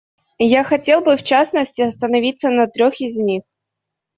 Я хотел бы, в частности, остановиться на трех из них.